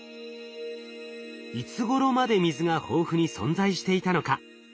いつごろまで水が豊富に存在していたのか？